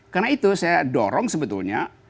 karena itu saya dorong sebetulnya